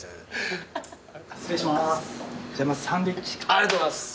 ありがとうございます。